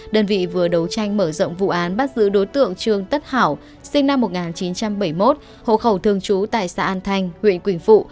đơn vị vừa đấu tranh mở rộng vụ án bắt giữ đối tượng trương tất hảo sinh năm một nghìn chín trăm bảy mươi một hộ khẩu thường trú tại xã an thanh huyện quỳnh phụ